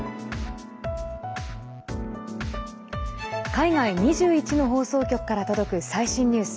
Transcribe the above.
海外２１の放送局から届く最新ニュース。